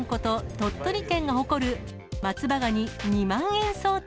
鳥取県が誇る、松葉がに２万円相当。